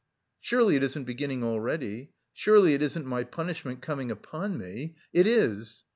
"Surely it isn't beginning already! Surely it isn't my punishment coming upon me? It is!"